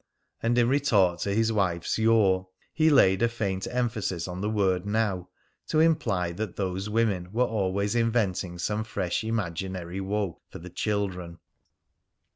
And in retort to his wife's "your," he laid a faint emphasis on the word "now," to imply that those women were always inventing some fresh imaginary woe for the children.